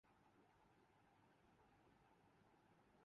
ہم Geneva conventions کو مانتے ہیں۔